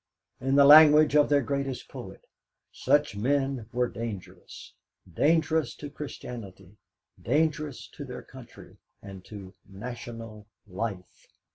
In the language of their greatest poet, "Such men were dangerous" dangerous to Christianity, dangerous to their country, and to national life.